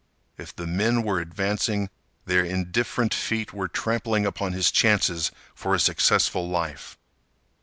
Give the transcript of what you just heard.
If the men were advancing, their indifferent feet were trampling upon his chances for a successful life.